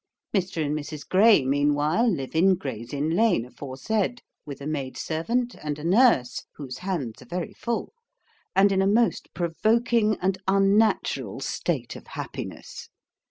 Mr. and Mrs. Gray, meanwhile, live in Gray's Inn Lane aforesaid, with a maid servant and a nurse, whose hands are very full, and in a most provoking and unnatural state of happiness.